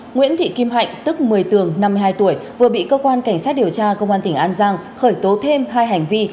nguyễn thị kim hạnh tức một mươi tường năm mươi hai tuổi vừa bị cơ quan cảnh sát điều tra công an tỉnh an giang khởi tố thêm hai hành vi